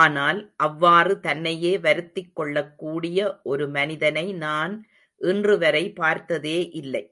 ஆனால், அவ்வாறு தன்னையே வருத்திக் கொள்ளக்கூடிய ஒரு மனிதனை நான் இன்று வரை பார்த்ததே இல்லை.